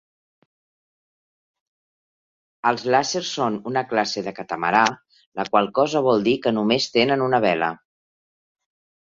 Els làsers són una classe de catamarà, la qual cosa vol dir que només tenen una vela.